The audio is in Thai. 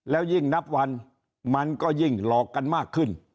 แล้วยิ่งนับวันมันก็ยิ่งหลอกกันมากขึ้น